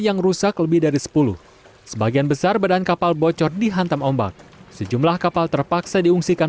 yang rusak lebih dari sepuluh sebagian besar badan kapal bocor dihantam ombak sejumlah kapal terpaksa diungsikan